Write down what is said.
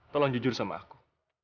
tolong jujur sama aku